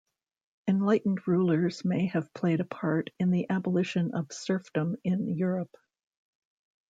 Enlightened rulers may have played a part in the abolition of serfdom in Europe.